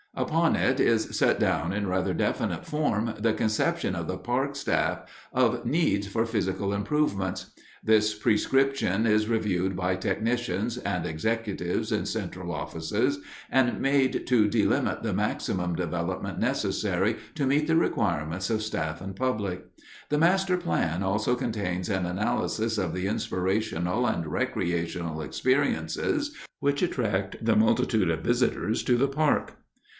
Upon it is set down in rather definite form the conception of the park staff of needs for physical improvements. This prescription is reviewed by technicians and executives in central offices and made to delimit the maximum development necessary to meet the requirements of staff and public. The master plan also contains an analysis of the inspirational and recreational experiences which attract the multitude of visitors to the park.